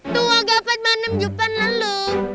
tua gapet manem jupan lalu